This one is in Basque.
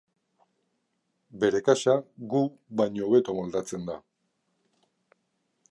Bere kasa gu baino hobeto moldatzen da.